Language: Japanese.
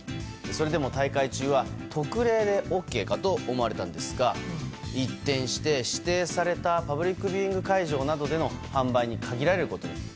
それでも大会中は特例でＯＫかと思われたんですが一転して、指定されたパブリックビューイング会場などでの販売に限られることに。